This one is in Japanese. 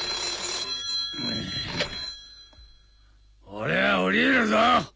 俺は降りるぞ。